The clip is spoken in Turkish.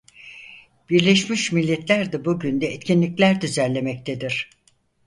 Birleşmiş Milletler de bu günde etkinlikler düzenlemektedir.